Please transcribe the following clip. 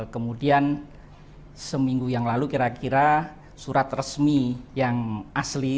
kemudian seminggu yang lalu kira kira surat resmi yang asli